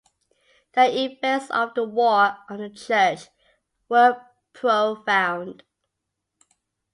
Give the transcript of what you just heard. The effects of the war on the Church were profound.